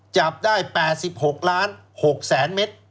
จับได้๘๖ล้าน๖๐๐๐เมตร